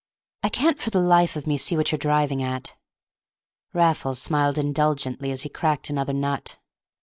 "I can't for the life of me see what you're driving at." Raffles smiled indulgently as he cracked another nut.